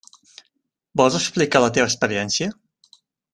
Vols explicar la teva experiència?